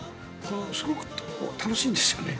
すごく楽しいんですよね。